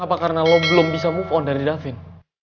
apa karena lo belum bisa move on dari davin